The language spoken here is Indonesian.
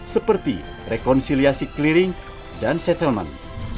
seperti rekonsiliasi clearing dan settlement